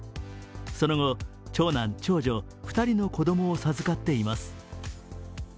その後、長男、長女２人の子供を授かっています。